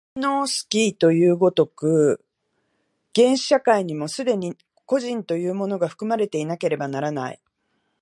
マリノースキイのいう如く、原始社会にも既に個人というものが含まれていなければならない。